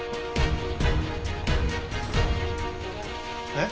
えっ？